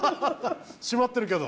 閉まってるけど。